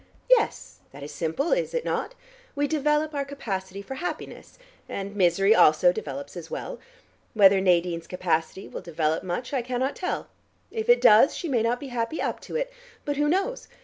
"Yes: that is simple, is it not? We develop our capacity for happiness; and misery, also, develops as well. Whether Nadine's capacity will develop much, I cannot tell. If it does, she may not be happy up to it. But who knows?